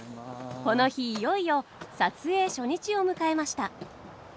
この日いよいよ撮影初日を迎えました。